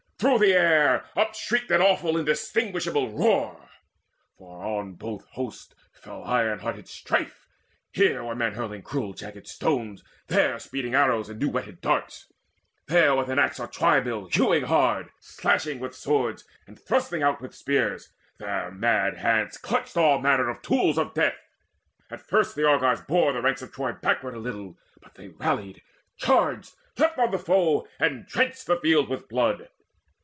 Through the air upshrieked An awful indistinguishable roar; For on both hosts fell iron hearted Strife. Here were men hurling cruel jagged stones, There speeding arrows and new whetted darts, There with the axe or twibill hewing hard, Slashing with swords, and thrusting out with spears: Their mad hands clutched all manner of tools of death. At first the Argives bore the ranks of Troy Backward a little; but they rallied, charged, Leapt on the foe, and drenched the field with blood.